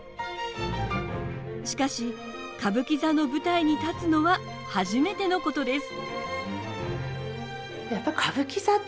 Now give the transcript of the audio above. しかし歌舞伎座の舞台に立つのは初めてのことです。